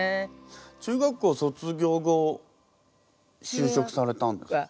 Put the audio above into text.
中学校卒業後就職されたんですか？